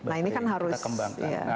nah ini kan harus kita kembangkan